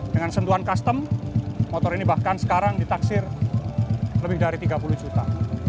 dengan sentuhan custom motor ini bahkan sekarang ditaksir lebih dari tiga puluh juta